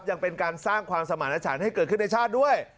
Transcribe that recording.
ยังเป็นการสร้างความสมรรถฉันให้เกิดขึ้นในชาติด้วย